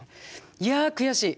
いや悔しい。